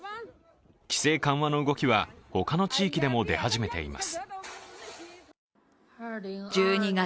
規制緩和の動きは、他の地域でも出始めています。